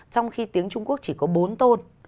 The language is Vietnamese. trong khi tiếng trung quốc chỉ có bốn tôn